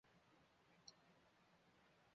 湖南黄花稔为锦葵科黄花稔属下的一个种。